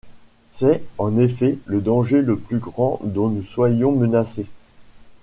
C’est, en effet, le danger le plus grand dont nous soyons menacés.